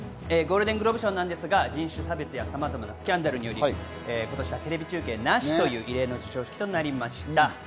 ゴールデングローブ賞ですが、人種差別やさまざまなスキャンダルにより今年はテレビ中継なしという異例の授賞式となりました。